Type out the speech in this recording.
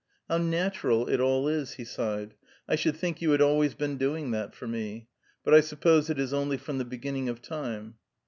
"How natural it all is," he sighed. "I should think you had always been doing that for me. But I suppose it is only from the beginning of time!"